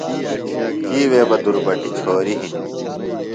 کی وے بہ دُربٹیۡ چھوریۡ ہِنِم۔